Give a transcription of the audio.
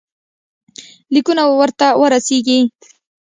لیکونه ورته ورسیږي.